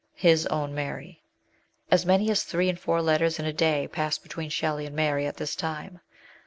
His OWN MART. As many as three and four letters in a day pass between Shelley and Mary at this time.